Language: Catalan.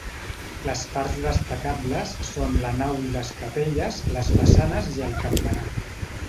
Les parts destacables són la nau i les capelles, les façanes i el campanar.